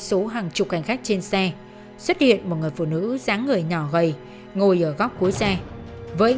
số hàng chục hành khách trên xe xuất hiện một người phụ nữ dáng người nhỏ gầy ngồi ở góc cuối xe với